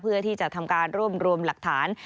เพื่อที่จะทำการรวบรวมหลักฐาน